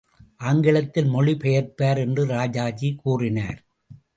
ஆங்கிலத்தில் மொழி பெயர்ப்பார் என்று ராஜாஜி கூறினார்.